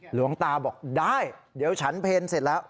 หลวงตาบอกได้เดี๋ยวฉันเพลเสร็จแล้ว